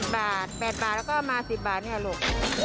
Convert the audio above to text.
๘บาท๘บาทแล้วก็มา๑๐บาทเนี่ยลูก